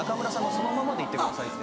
そのままでいってください」って。